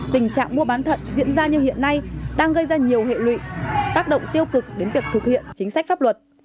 tình trạng mua bán thận diễn ra như hiện nay đang gây ra nhiều hệ lụy tác động tiêu cực đến việc thực hiện chính sách pháp luật